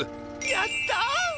やった！